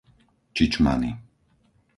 Čičmany